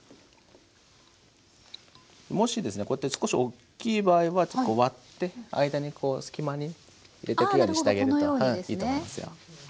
もしですねこうやって少しおっきい場合はこう割って間に隙間に入れてきれいにしてあげるといいと思いますよ。